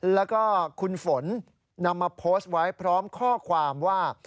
แล้วก็คุณฝนนำมาโพสต์ไว้พร้อมข้อความว่า